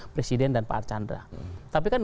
presiden dan pak archandra tapi kan